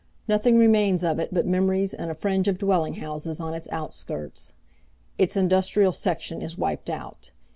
Nothing remains of it but memories and a fringe of dwelling houses on its outskirts. Its industrial section is wiped out.